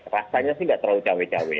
rasanya sih nggak terlalu cawe cawe